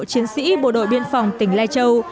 chiến sĩ bộ đội biên phòng tỉnh lai châu